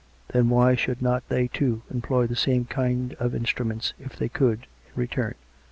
Then why should not they, too, employ the same kind of instruments, if they could, in return?